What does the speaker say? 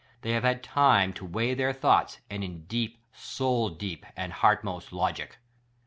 They have had time lo weigh their thoughts, and in deep, soul deep, and heartmost logic?